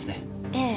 ええ。